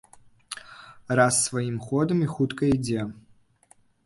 Раз сваім ходам і хутка ідзе.